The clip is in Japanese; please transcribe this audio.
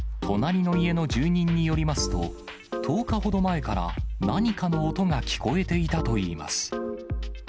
隣の家の住人によりますと、１０日ほど前から何かの音が聞こえていたといいます。